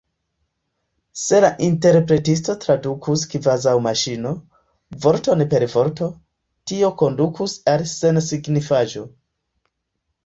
Se la interpretisto tradukus kvazaŭ maŝino, vorton per vorto, tio kondukus al sensignifaĵo.